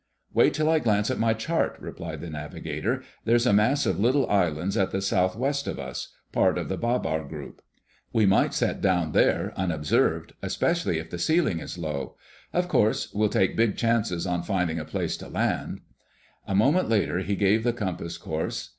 "Wait till I glance at my chart," replied the navigator. "There's a mass of little islands at the southwest of us—part of the Babar group. We might set down there unobserved, especially if the ceiling is low. Of course, we'll take big chances on finding a place to land." A moment later he gave the compass course.